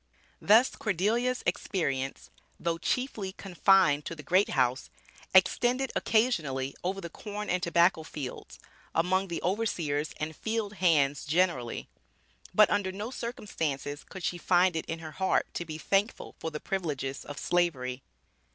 Thus Cordelia's experience, though chiefly confined to the "great house," extended occasionally over the corn and tobacco fields, among the overseers and field hands generally. But under no circumstances could she find it in her heart to be thankful for the privileges of Slavery.